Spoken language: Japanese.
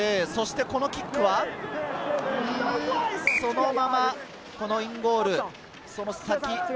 このキックはそのままインゴールの先。